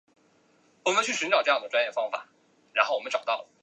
李成栋。